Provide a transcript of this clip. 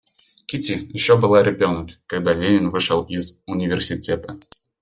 Кити еще была ребенок, когда Левин вышел из университета.